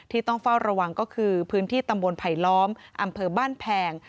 ต้องเฝ้าระวังก็คือพื้นที่ตำบลไผลล้อมอำเภอบ้านแพง